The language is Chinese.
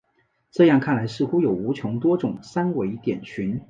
这样看来似乎有无穷多种三维点群。